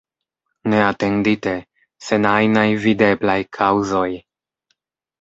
Neatendite, sen ajnaj videblaj kaŭzoj.